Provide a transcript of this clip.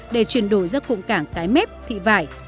để chuyển đổi ra cụm cảng cái mép thị vải